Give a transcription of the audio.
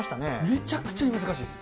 めちゃくちゃ難しいっす。